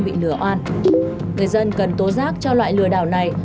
bằng sao ta thoải mái